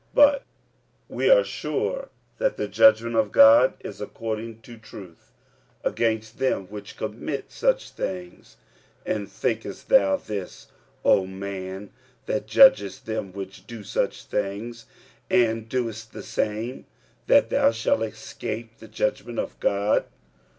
45:002:002 But we are sure that the judgment of God is according to truth against them which commit such things. 45:002:003 And thinkest thou this, O man, that judgest them which do such things, and doest the same, that thou shalt escape the judgment of God?